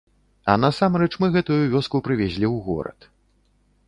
А насамрэч, мы гэтую вёску прывезлі ў горад.